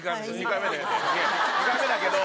２回目だけど。